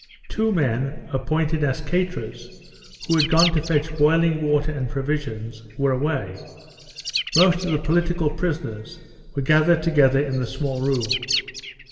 Two men, appointed as caterers, who had gone to fetch boiling water and provisions, were away; most of the political prisoners were gathered together in the small room.